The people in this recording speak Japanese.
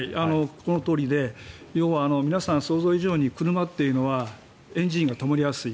このとおりで要は皆さん、想像以上に車っていうのはエンジンが止まりやすい。